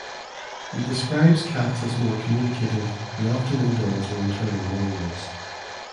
He describes cats as more communicative who often indulge in "internal monologues".